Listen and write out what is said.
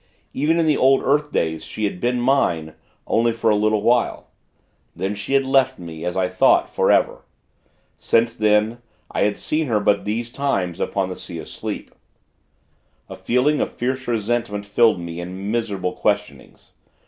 Even in the old earth days, she had been mine, only for a little while; then she had left me, as I thought, forever. Since then, I had seen her but these times, upon the Sea of Sleep. A feeling of fierce resentment filled me, and miserable questionings.